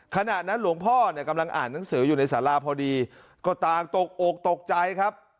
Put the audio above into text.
ขณะนั้นหลวงพ่อเนี่ยกำลังอ่านหนังสืออยู่ในสาราพอดีก็ต่างตกอกตกใจครับ